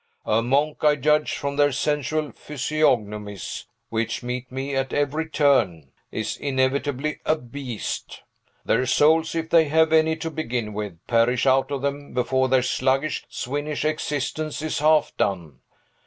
A monk I judge from their sensual physiognomies, which meet me at every turn is inevitably a beast! Their souls, if they have any to begin with, perish out of them, before their sluggish, swinish existence is half done.